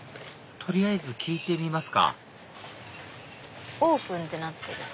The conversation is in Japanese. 取りあえず聞いてみますかオープンってなってる。